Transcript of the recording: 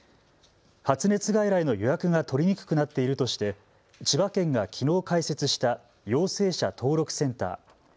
発熱外来の予約が取りにくくなっているとして千葉県がきのう開設した陽性者登録センター。